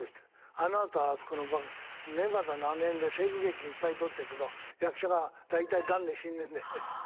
あの後あそこのネバダのあの辺で西部劇いっぱい撮ってるけど役者が大体がんで死んでんだよね。